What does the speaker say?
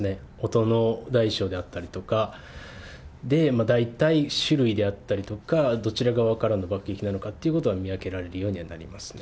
音の大小であったりとか、で、大体、種類であったりとか、どちら側からの爆撃なのかっていうのは見分けられるようにはなりますね。